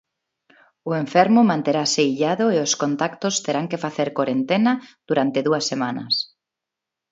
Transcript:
O enfermo manterase illado e os contactos terán que facer corentena durante dúas semanas.